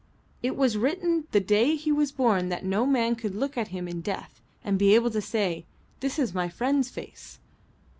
It was written the day he was born that no man could look at him in death and be able to say, 'This is my friend's face.'"